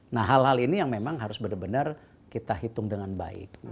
nah hal hal ini yang memang harus benar benar kita hitung dengan baik